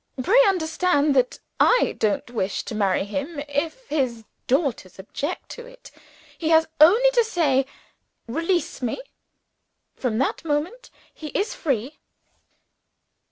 Pray understand that I don't wish to marry him, if his daughters object to it. He has only to say, 'Release me.' From that moment he is free."